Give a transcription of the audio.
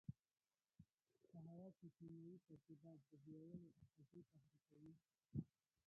په هوا کې کیمیاوي ترکیبات د بویولو آخذې تحریکوي.